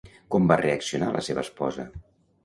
Com va reaccionar la seva esposa?